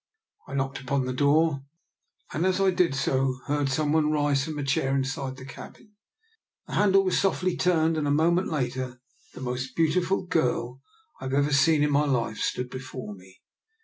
I knocked upon the door, and as I did DR. NIKOLA'S EXPERIMENT. 83 SO heard some one rise from a chair inside the cabin. The handle was softlv turned, and a moment later the most beautiful girl I have ever seen in my life stood before me.